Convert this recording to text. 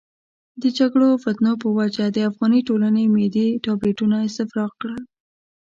د جګړو او فتنو په وجه د افغاني ټولنې معدې ټابلیتونه استفراق کړل.